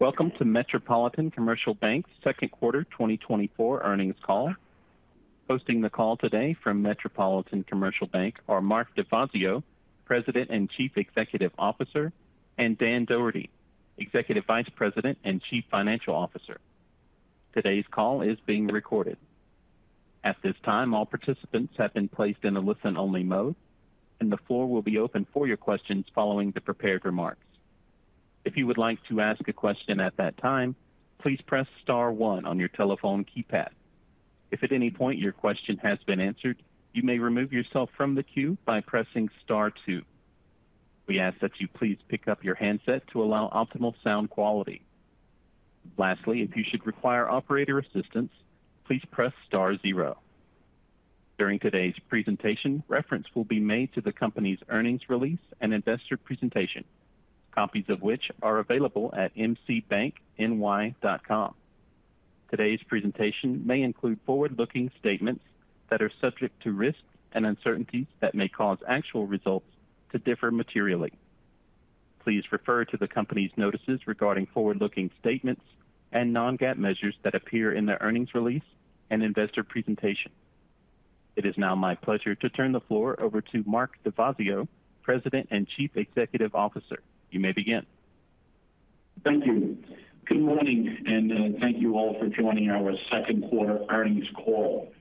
Welcome to Metropolitan Commercial Bank's Second Quarter 2024 Earnings Call. Hosting the call today from Metropolitan Commercial Bank are Mark DeFazio, President and Chief Executive Officer, and Dan Doherty, Executive Vice President and Chief Financial Officer. Today's call is being recorded. At this time, all participants have been placed in a listen-only mode, and the floor will be open for your questions following the prepared remarks. If you would like to ask a question at that time, please press star one on your telephone keypad. If at any point your question has been answered, you may remove yourself from the queue by pressing star two. We ask that you please pick up your handset to allow optimal sound quality. Lastly, if you should require operator assistance, please press star zero. During today's presentation, reference will be made to the company's earnings release and investor presentation, copies of which are available at mcbankny.com. Today's presentation may include forward-looking statements that are subject to risks and uncertainties that may cause actual results to differ materially. Please refer to the company's notices regarding forward-looking statements and Non-GAAP measures that appear in the earnings release and investor presentation. It is now my pleasure to turn the floor over to Mark DeFazio, President and Chief Executive Officer. You may begin. Thank you. Good morning, and thank you all for joining our second quarter earnings call.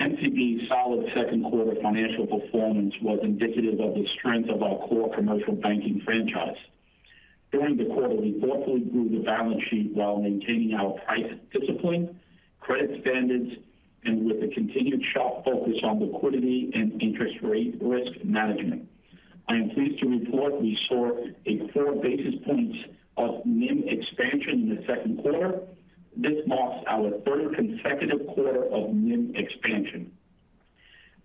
MCB's solid second quarter financial performance was indicative of the strength of our core commercial banking franchise. During the quarter, we thoughtfully grew the balance sheet while maintaining our price discipline, credit standards, and with a continued sharp focus on liquidity and interest rate risk management. I am pleased to report we saw a four basis points of NIM expansion in the second quarter. This marks our third consecutive quarter of NIM expansion.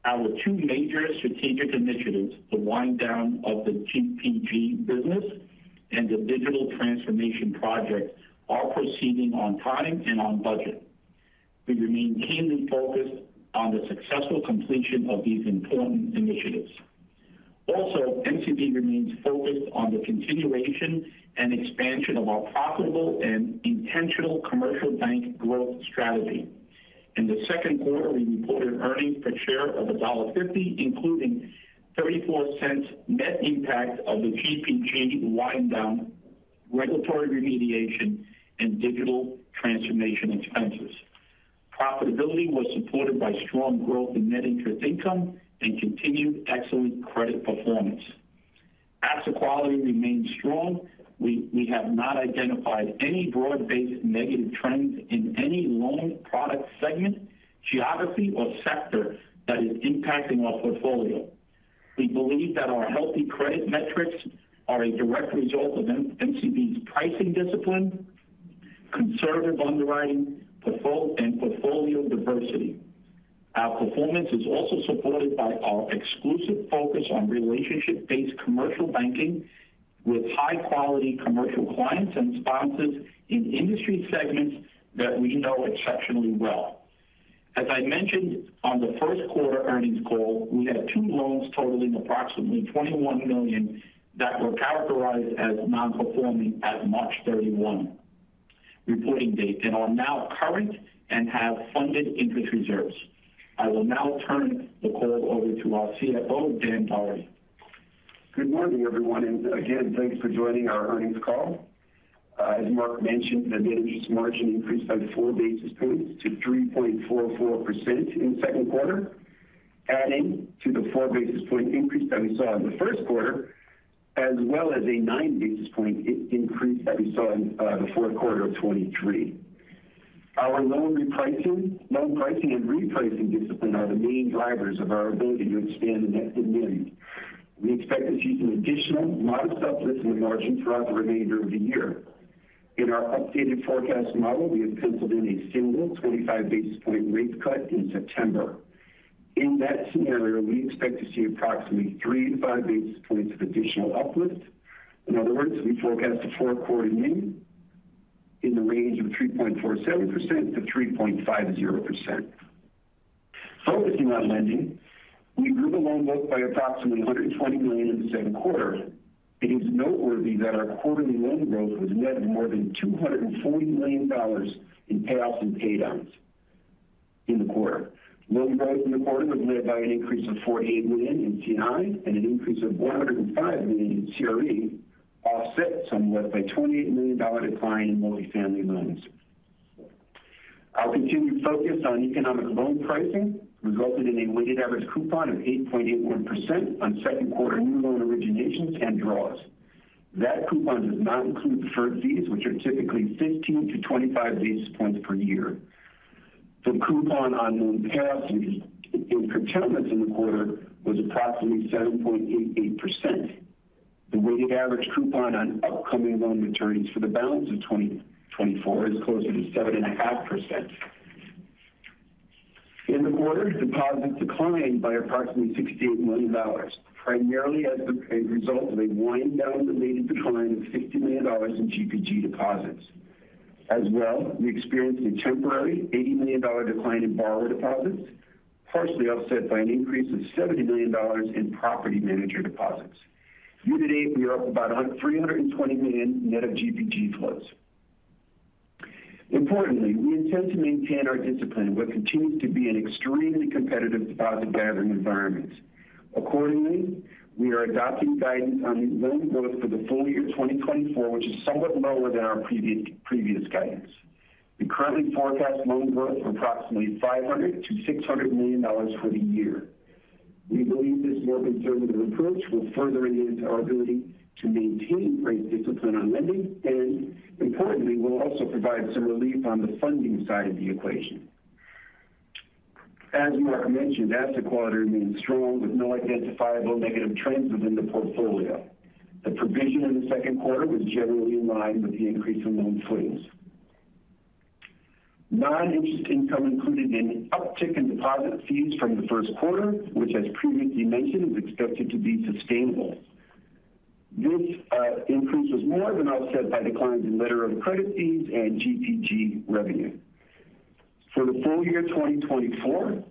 Our two major strategic initiatives, the wind down of the GPG business and the digital transformation project, are proceeding on time and on budget. We remain keenly focused on the successful completion of these important initiatives. Also, MCB remains focused on the continuation and expansion of our profitable and intentional commercial bank growth strategy. In the second quarter, we reported earnings per share of $1.50, including $0.34 net impact of the GPG wind down, regulatory remediation, and digital transformation expenses. Profitability was supported by strong growth in net interest income and continued excellent credit performance. Asset quality remains strong. We have not identified any broad-based negative trends in any loan product segment, geography, or sector that is impacting our portfolio. We believe that our healthy credit metrics are a direct result of MCB's pricing discipline, conservative underwriting, and portfolio diversity. Our performance is also supported by our exclusive focus on relationship-based commercial banking with high-quality commercial clients and sponsors in industry segments that we know exceptionally well. As I mentioned on the first quarter earnings call, we had 2 loans totaling approximately $21 million that were characterized as non-performing as March 31 reporting date and are now current and have funded interest reserves. I will now turn the call over to our CFO, Dan Dougherty. Good morning, everyone, and again, thanks for joining our earnings call. As Mark mentioned, the net interest margin increased by 4 basis points to 3.44% in the second quarter, adding to the 4 basis point increase that we saw in the first quarter, as well as a 9 basis point increase that we saw in the fourth quarter of 2023. Our loan repricing, loan pricing and repricing discipline are the main drivers of our ability to expand the net and NIM. We expect to see an additional modest uplift in the margin throughout the remainder of the year. In our updated forecast model, we have penciled in a single 25 basis point rate cut in September. In that scenario, we expect to see approximately 3 basis points-5 basis points of additional uplift. In other words, we forecast a four-quarter NIM in the range of 3.47%-3.50%. Focusing on lending, we grew the loan book by approximately $120 million in the second quarter. It is noteworthy that our quarterly loan growth was net more than $240 million in payoffs and paydowns in the quarter. Loan growth in the quarter was led by an increase of $48 million in C&I and an increase of $105 million in CRE, offset somewhat by a $28 million decline in multifamily loans. Our continued focus on economic loan pricing resulted in a weighted average coupon of 8.81% on second quarter new loan originations and draws. That coupon does not include deferred fees, which are typically 15-25 basis points per year. The coupon on loan payoffs and prepayments in the quarter was approximately 7.88%. The weighted average coupon on upcoming loan maturities for the balance of 2024 is closer to 7.5%. In the quarter, deposits declined by approximately $68 million, primarily as a result of a wind down-related decline of $60 million in GPG deposits. As well, we experienced a temporary $80 million decline in borrower deposits, partially offset by an increase of $70 million in property manager deposits. Year-to-date, we are up about $320 million net of GPG flows. Importantly, we intend to maintain our discipline in what continues to be an extremely competitive deposit gathering environment. Accordingly, we are adopting guidance on loan growth for the full year 2024, which is somewhat lower than our previous guidance. We currently forecast loan growth of approximately $500 million-$600 million for the year. We believe this more conservative approach will further enhance our ability to maintain great discipline on lending, and importantly, will also provide some relief on the funding side of the equation. As Mark mentioned, asset quality remains strong with no identifiable negative trends within the portfolio. The provision in the second quarter was generally in line with the increase in loan trades. Non-interest income included an uptick in deposit fees from the first quarter, which, as previously mentioned, is expected to be sustainable. This, increase was more than offset by declines in letter of credit fees and GPG revenue. For the full year 2024,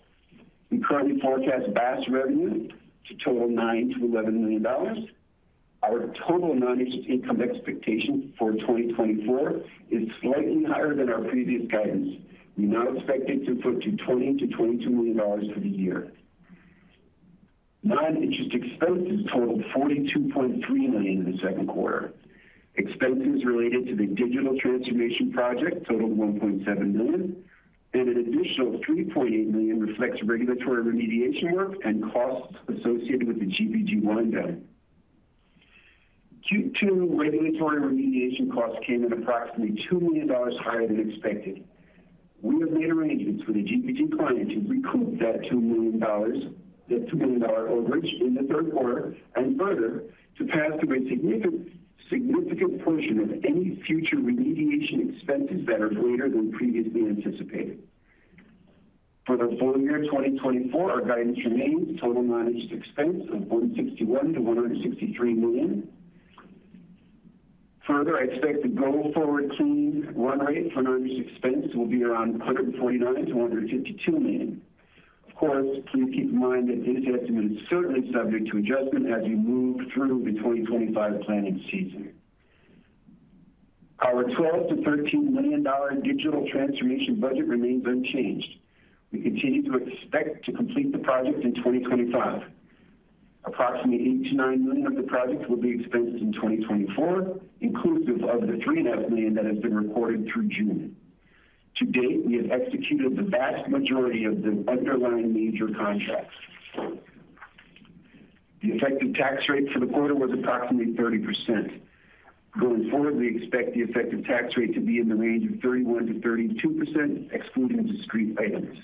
we currently forecast BaaS revenue to total $9 million-$11 million. Our total non-interest income expectation for 2024 is slightly higher than our previous guidance. We now expect it to put to $20 million-$22 million for the year. Non-interest expenses totaled $42.3 million in the second quarter. Expenses related to the digital transformation project totaled $1.7 million, and an additional $3.8 million reflects regulatory remediation work and costs associated with the GPG wind down. Q2 regulatory remediation costs came in approximately $2 million higher than expected. We have made arrangements with a GPG client to recoup that $2 million--that $2 million overage in the third quarter, and further, to pass through a significant, significant portion of any future remediation expenses that are greater than previously anticipated. For the full year 2024, our guidance remains total non-interest expense of $161 million-$163 million. Further, I expect the go-forward clean run rate for non-interest expense will be around $149 million-$152 million. Of course, please keep in mind that this estimate is certainly subject to adjustment as we move through the 2025 planning season. Our $12 million-$13 million digital transformation budget remains unchanged. We continue to expect to complete the project in 2025. Approximately $8 million-$9 million of the projects will be expensed in 2024, inclusive of the $3.5 million that has been recorded through June. To date, we have executed the vast majority of the underlying major contracts. The effective tax rate for the quarter was approximately 30%. Going forward, we expect the effective tax rate to be in the range of 31%-32%, excluding discrete items.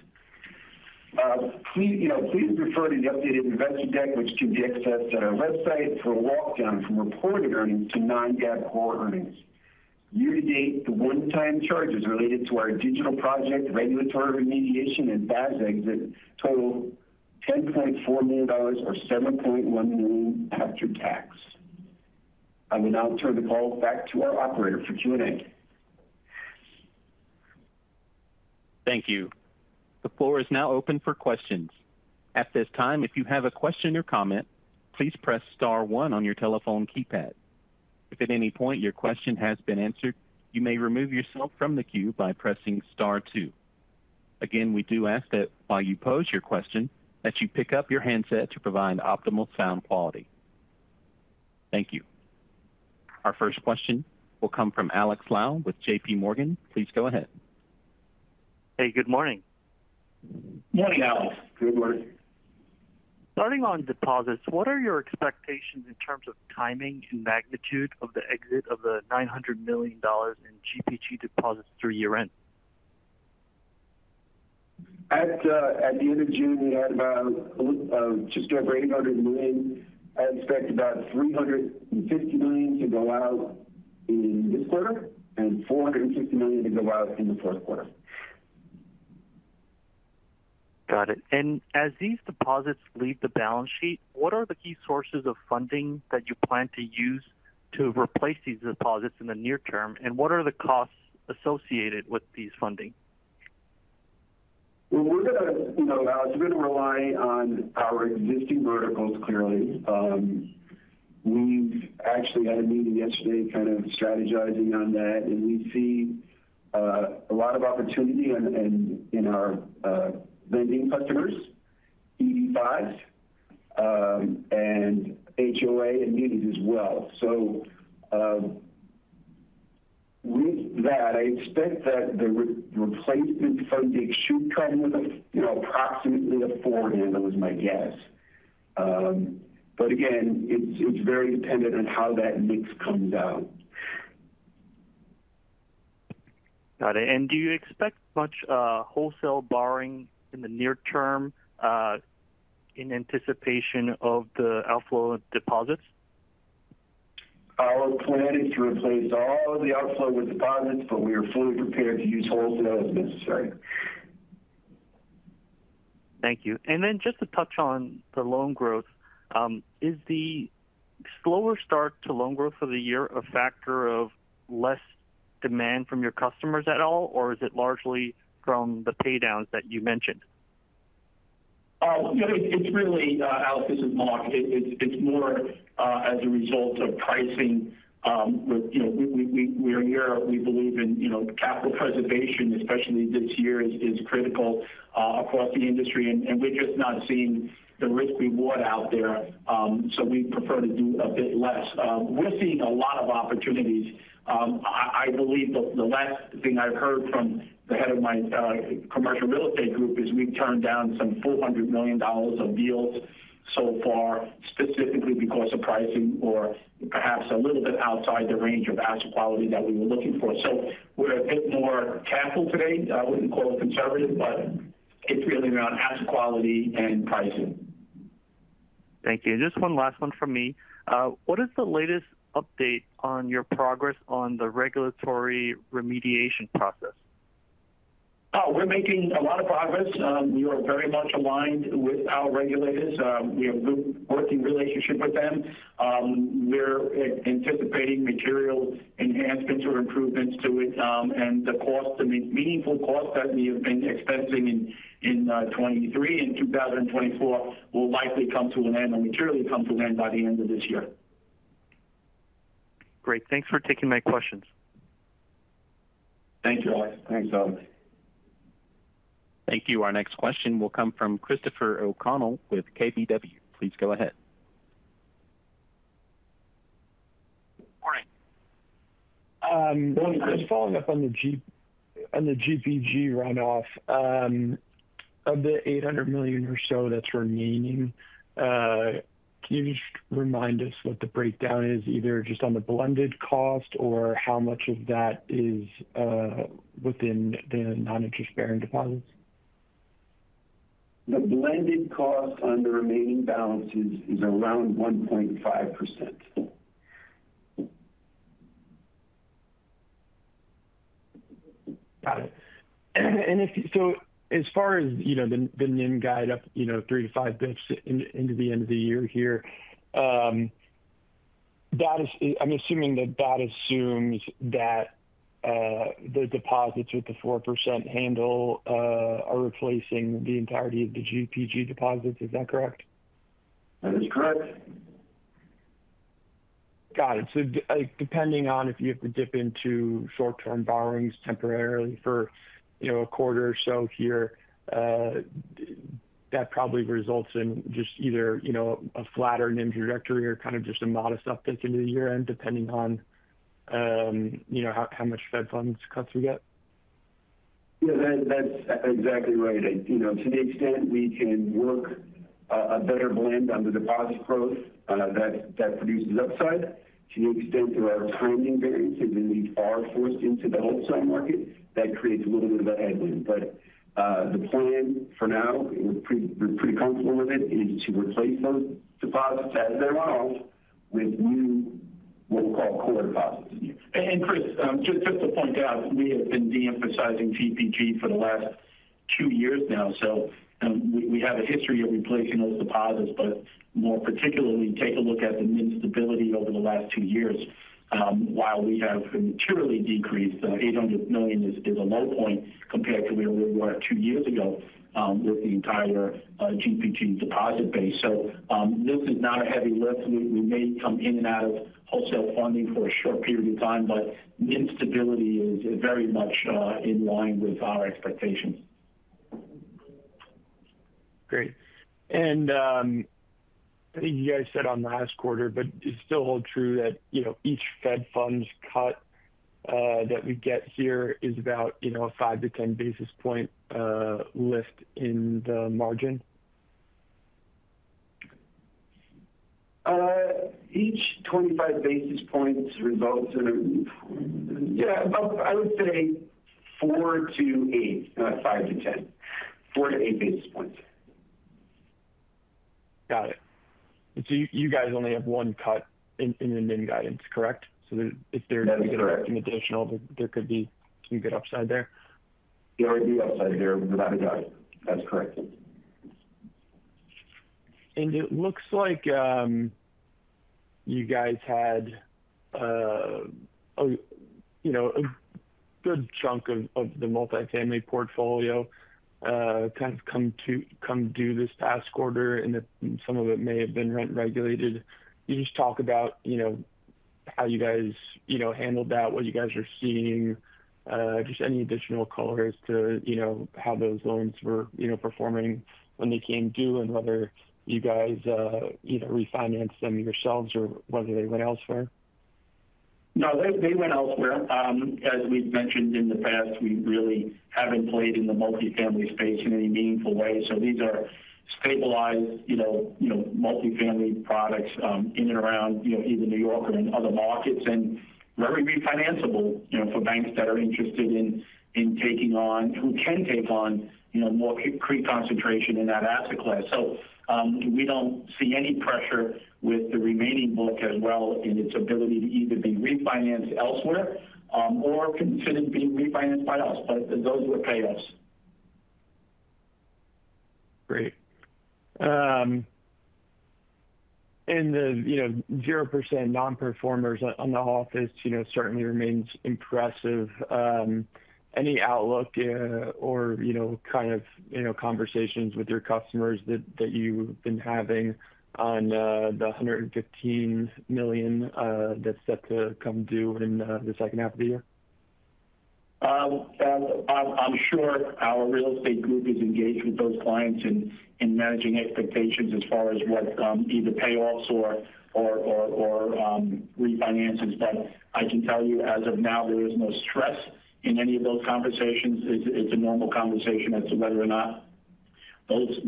Please, you know, please refer to the updated investor deck, which can be accessed on our website, for a walk down from reported earnings to non-GAAP core earnings. Year-to-date, the one-time charges related to our digital project, regulatory remediation, and BaaS exit total $10.4 million or $7.1 million after tax. I will now turn the call back to our operator for Q&A. Thank you. The floor is now open for questions. At this time, if you have a question or comment, please press star one on your telephone keypad. If at any point your question has been answered, you may remove yourself from the queue by pressing star two. Again, we do ask that while you pose your question, that you pick up your handset to provide optimal sound quality. Thank you. Our first question will come from Alex Lau with JPMorgan. Please go ahead. Hey, good morning. Morning, Alex. Good morning. Starting on deposits, what are your expectations in terms of timing and magnitude of the exit of the $900 million in GPG deposits through year-end? At the end of June, we had about just over $800 million. I expect about $350 million to go out in this quarter and $450 million to go out in the fourth quarter. Got it. And as these deposits leave the balance sheet, what are the key sources of funding that you plan to use to replace these deposits in the near term? And what are the costs associated with these funding? Well, we're going to, you know, Alex, we're going to rely on our existing verticals, clearly. We've actually had a meeting yesterday kind of strategizing on that, and we see a lot of opportunity in our lending customers, EB-5, and HOA and medias as well. So, with that, I expect that the replacement funding should come with a, you know, approximately a four handle is my guess. But again, it's very dependent on how that mix comes out. Got it. Do you expect much wholesale borrowing in the near term in anticipation of the outflow of deposits? Our plan is to replace all the outflow with deposits, but we are fully prepared to use wholesale as necessary.... Thank you. And then just to touch on the loan growth, is the slower start to loan growth for the year a factor of less demand from your customers at all, or is it largely from the paydowns that you mentioned? You know, it's, it's really, Alex, this is Mark. It's more as a result of pricing. With, you know, we are here. We believe in, you know, capital preservation, especially this year, is critical across the industry, and we're just not seeing the risk reward out there, so we prefer to do a bit less. We're seeing a lot of opportunities. I believe the last thing I've heard from the head of my commercial real estate group is we've turned down some $400 million of deals so far, specifically because of pricing or perhaps a little bit outside the range of asset quality that we were looking for. So we're a bit more careful today. I wouldn't call it conservative, but it's really around asset quality and pricing. Thank you. And just one last one from me. What is the latest update on your progress on the regulatory remediation process? We're making a lot of progress. We are very much aligned with our regulators. We have a good working relationship with them. We're anticipating material enhancements or improvements to it. And the cost, the meaningful cost that we have been expensing in 2023 and 2024 will likely come to an end or materially come to an end by the end of this year. Great. Thanks for taking my questions. Thank you, Alex. Thanks, Alex. Thank you. Our next question will come from Christopher O'Connell with KBW. Please go ahead. Morning. Just following up on the GPG runoff, of the $800 million or so that's remaining, can you just remind us what the breakdown is, either just on the blended cost or how much of that is within the non-interest-bearing deposits? The blended cost on the remaining balances is around 1.5%. Got it. So as far as, you know, the NIM guide up, you know, 3 basis points-5 basis points into the end of the year here, I'm assuming that that assumes that the deposits with the 4% handle are replacing the entirety of the GPG deposits. Is that correct? That is correct. Got it. So depending on if you have to dip into short-term borrowings temporarily for, you know, a quarter or so here, that probably results in just either, you know, a flatter NIM trajectory or kind of just a modest uptick into the year-end, depending on, you know, how much Fed funds cuts we get. Yeah, that's exactly right. You know, to the extent we can work a better blend on the deposit growth, that produces upside. To the extent there are timing variances, and we are forced into the wholesale market, that creates a little bit of a headwind. But the plan for now, we're pretty comfortable with it, is to replace those deposits as they run off with new, what we call, core deposits. And, Chris, just to point out, we have been de-emphasizing GPG for the last two years now. So, we have a history of replacing those deposits. But more particularly, take a look at the NIM stability over the last two years. While we have materially decreased, $800 million is a low point compared to where we were two years ago, with the entire GPG deposit base. So, this is not a heavy lift. We may come in and out of wholesale funding for a short period of time, but NIM stability is very much in line with our expectations. Great. And, I think you guys said on last quarter, but it's still hold true that, you know, each Fed funds cut that we get here is about, you know, a 5 basis points-10 basis points lift in the margin? Each 25 basis points results in about, I would say, 4 basis points-8 basis points, 5 basis points-10 basis points. 4 basis points-8 basis points. Got it. So you guys only have one cut in the NIM guidance, correct? So if there- That is correct. an additional, there could be some good upside there? There would be upside there with that guidance. That's correct. It looks like you guys had you know a good chunk of the multifamily portfolio kind of come due this past quarter, and that some of it may have been rent-regulated. Can you just talk about you know how you guys you know handled that, what you guys are seeing, just any additional color as to you know how those loans were you know performing when they came due and whether you guys either refinanced them yourselves or whether they went elsewhere? No, they, they went elsewhere. As we've mentioned in the past, we really haven't played in the multifamily space in any meaningful way. So these are stabilized, you know, you know, multifamily products, in and around, you know, either New York or in other markets and very refinanceable, you know, for banks that are interested in, in taking on, who can take on, you know, more concentration in that asset class. So, we don't see any pressure with the remaining book as well in its ability to either be refinanced elsewhere, or considered being refinanced by us. But those were payoffs. Great. And the, you know, 0% nonperformers on the office, you know, certainly remains impressive. Any outlook, or, you know, kind of, conversations with your customers that you've been having on the $115 million that's set to come due in the second half of the year? I'm sure our real estate group is engaged with those clients in managing expectations as far as what either payoffs or refinances. But I can tell you as of now, there is no stress in any of those conversations. It's a normal conversation as to whether or not those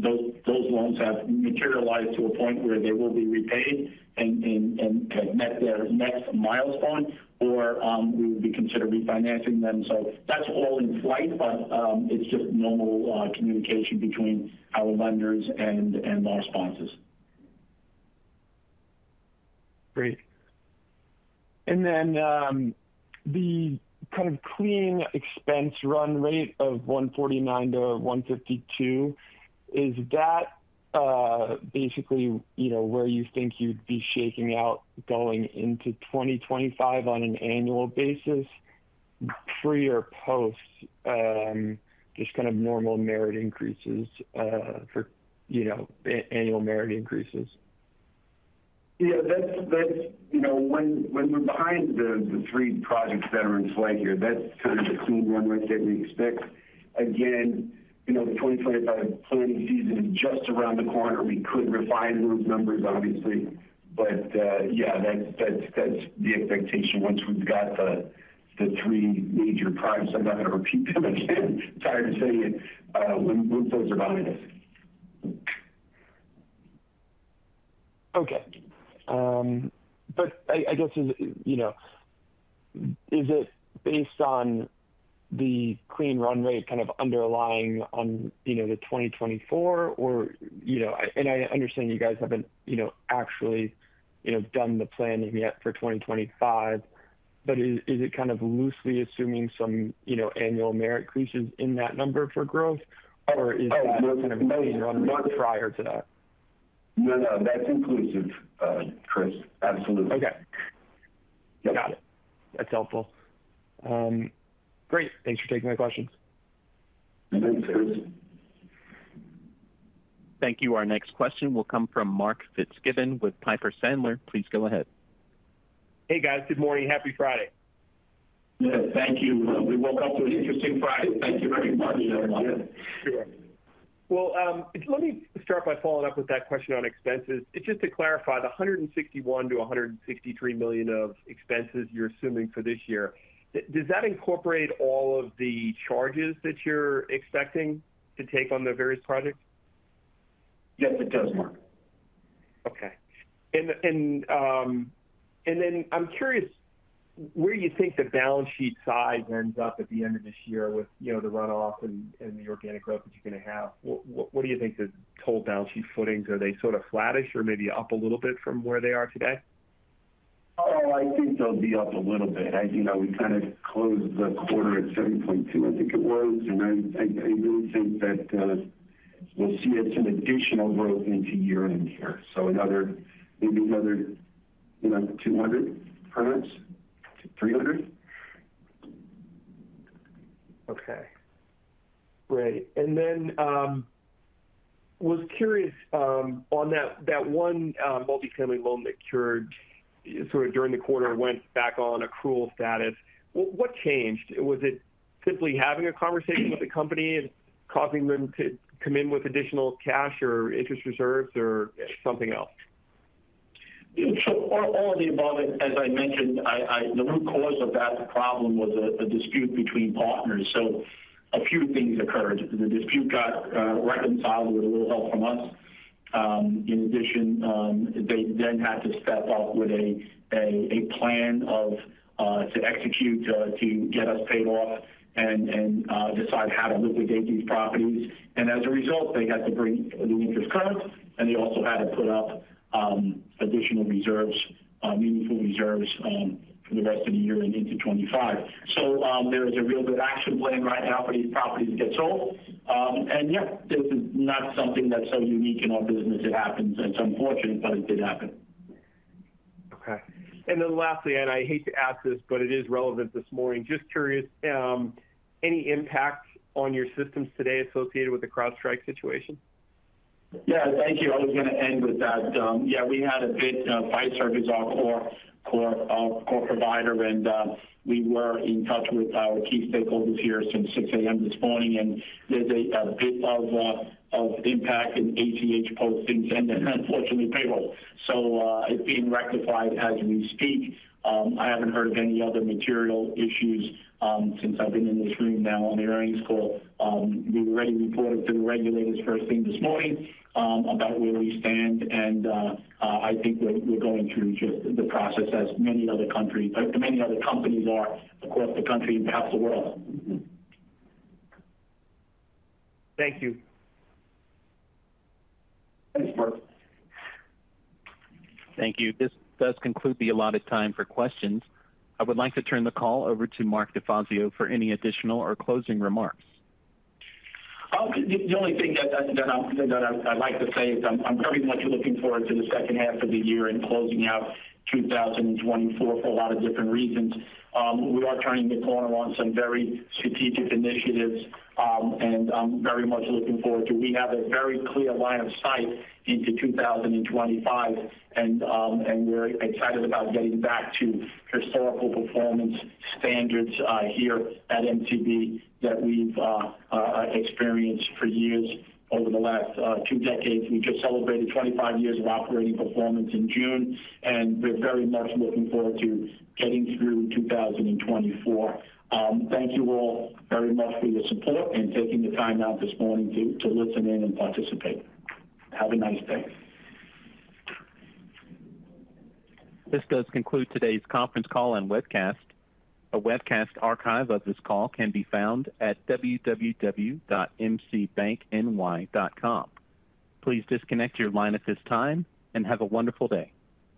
loans have materialized to a point where they will be repaid and have met their next milestone or we would be consider refinancing them. So that's all in flight, but it's just normal communication between our lenders and our sponsors. Great. Then, the kind of clean expense run rate of $149-$152, is that, basically, you know, where you think you'd be shaking out going into 2025 on an annual basis, pre or post, just kind of normal merit increases, for, you know, annual merit increases? Yeah, that's you know, when we're behind the three projects that are in play here, that's kind of the clean run rate that we expect. Again, you know, the 2025 planning season is just around the corner. We could refine those numbers, obviously. But yeah, that's the expectation once we've got the three major products. I'm not gonna repeat them again. Tired of saying it, once those are behind us. Okay. But I guess, you know, is it based on the clean run rate kind of underlying on, you know, the 2024? Or, you know, and I understand you guys haven't, you know, actually, you know, done the planning yet for 2025. But is, is it kind of loosely assuming some, you know, annual merit increases in that number for growth? Or is that- Oh, no kind of run rate prior to that? No, no, that's inclusive, Chris, absolutely. Okay. Yep. Got it. That's helpful. Great. Thanks for taking my questions. You bet, Chris. Thank you. Our next question will come from Mark Fitzgibbon with Piper Sandler. Please go ahead. Hey, guys. Good morning. Happy Friday. Yeah, thank you. We woke up to an interesting Friday. Thank you very much. Sure. Well, let me start by following up with that question on expenses. Just to clarify, the $161 million-$163 million of expenses you're assuming for this year, does that incorporate all of the charges that you're expecting to take on the various projects? Yes, it does, Mark. Okay. And then I'm curious where you think the balance sheet size ends up at the end of this year with, you know, the runoff and the organic growth that you're going to have. What do you think the total balance sheet footings are? Are they sort of flattish or maybe up a little bit from where they are today? Oh, I think they'll be up a little bit. You know, we kind of closed the quarter at 7.2, I think it was, and I really think that we'll see some additional growth into year-end here. So another, maybe another, you know, 200 perhaps, 300. Okay. Great, and then was curious on that one multifamily loan that cured sort of during the quarter went back on accrual status. What changed? Was it simply having a conversation with the company and causing them to come in with additional cash or interest reserves or something else? So all, all of the above. As I mentioned, the root cause of that problem was a dispute between partners, so a few things occurred. The dispute got reconciled with a little help from us. In addition, they then had to step up with a plan to execute to get us paid off and decide how to liquidate these properties. And as a result, they had to bring the interest current, and they also had to put up additional reserves, meaningful reserves, for the rest of the year and into 25. So, there is a real good action plan right now for these properties to get sold. And yeah, this is not something that's so unique in our business. It happens, and it's unfortunate, but it did happen. Okay. And then lastly, and I hate to ask this, but it is relevant this morning. Just curious, any impact on your systems today associated with the CrowdStrike situation? Yeah, thank you. I was going to end with that. Yeah, we had a bit, Fiserv, is our core provider, and we were in touch with our key stakeholders here since 6:00 A.M. this morning, and there's a bit of impact in ACH postings and then, unfortunately, payroll. So, it's being rectified as we speak. I haven't heard of any other material issues since I've been in this room now on the earnings call. We already reported to the regulators first thing this morning about where we stand, and I think we're going through just the process as many other companies are across the country and perhaps the world. Mm-hmm. Thank you. Thanks, Mark. Thank you. This does conclude the allotted time for questions. I would like to turn the call over to Mark DeFazio for any additional or closing remarks. The only thing that I'd like to say is I'm very much looking forward to the second half of the year and closing out 2024 for a lot of different reasons. We are turning the corner on some very strategic initiatives, and I'm very much looking forward to. We have a very clear line of sight into 2025, and we're excited about getting back to historical performance standards here at MCB that we've experienced for years over the last two decades. We just celebrated 25 years of operating performance in June, and we're very much looking forward to getting through 2024. Thank you all very much for your support and taking the time out this morning to listen in and participate. Have a nice day. This does conclude today's conference call and webcast. A webcast archive of this call can be found at www.mcbankny.com. Please disconnect your line at this time, and have a wonderful day.